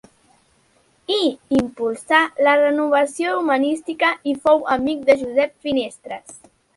Hi impulsà la renovació humanística i fou amic de Josep Finestres.